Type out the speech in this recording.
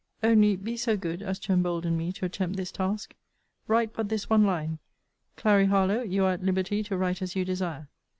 Only, be so good as to embolden me to attempt this task write but this one line, 'Clary Harlowe, you are at liberty to write as you desire.'